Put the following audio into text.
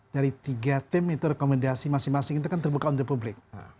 dari tiga tim itu rekomendasi masing masing itu kan terbuka untuk publik